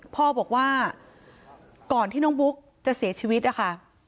พ่อบอกว่าก่อนที่น้องบุ๊กจะเสียชีวิตนะคะ